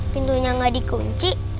pintunya gak dikunci